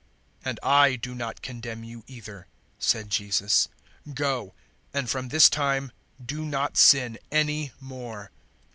"And *I* do not condemn you either," said Jesus; "go, and from this time do not sin any more."